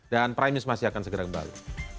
dan prime news masih akan segera kembali